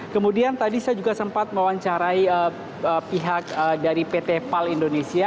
kemudian tadi saya juga sempat mewawancarai pihak dari pt pal indonesia